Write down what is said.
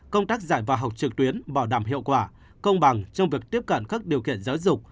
công tác dạy và học trực tuyến bảo đảm hiệu quả công bằng trong việc tiếp cận các điều kiện giáo dục